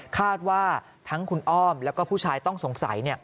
คาดว่าทั้งคุณอ้อมแล้วก็ผู้ชายต้องสงสัย